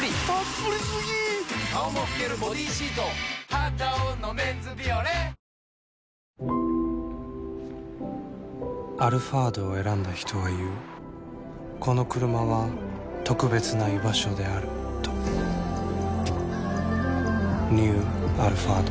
「肌男のメンズビオレ」「アルファード」を選んだ人は言うこのクルマは特別な居場所であるとニュー「アルファード」